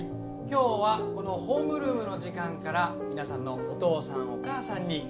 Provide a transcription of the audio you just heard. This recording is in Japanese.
今日はこのホームルームの時間から皆さんのお父さんお母さんに見てもらいます。